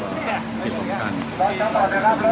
สวัสดีครับทุกคน